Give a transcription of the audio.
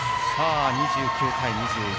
２９対２１。